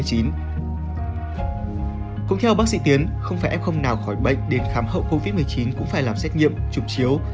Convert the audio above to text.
cũng theo bác sĩ tiến không phải em không nào khỏi bệnh đến khám hậu covid một mươi chín cũng phải làm xét nghiệm chụp chiếu